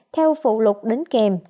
theo phụ lục đến kèm